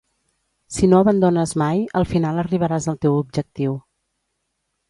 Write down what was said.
Si no abandones mai, al final arribaràs al teu objectiu.